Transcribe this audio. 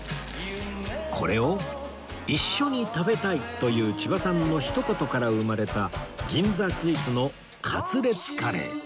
これを一緒に食べたいという千葉さんのひと言から生まれた銀座スイスのカツレツカレー